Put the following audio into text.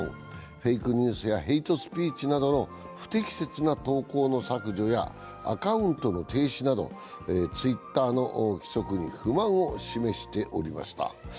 フェイクニュースやヘイトスピーチなど不適切な投稿の削除やアカウントの停止など、ツイッターの規則に不満を示しておりました。